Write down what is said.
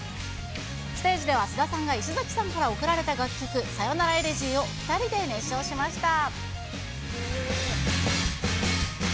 ステージでは菅田さんが石崎さんから贈られた楽曲、さよならエレジーを２人で熱唱しました。